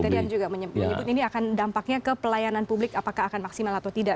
tadi anda juga menyebut ini akan dampaknya ke pelayanan publik apakah akan maksimal atau tidak